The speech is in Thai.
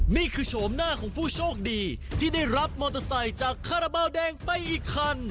โฉมหน้าของผู้โชคดีที่ได้รับมอเตอร์ไซค์จากคาราบาลแดงไปอีกคัน